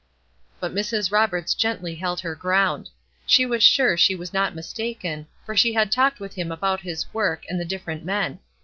But Mrs. Roberts gently held her ground. She was sure she was not mistaken, for she had talked with him about his work and the different men.